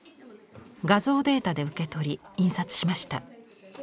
画像データで受け取り印刷しました。